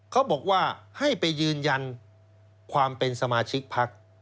เขาบอกว่าให้ไปยืนยันความเป็นสมาชิกพัก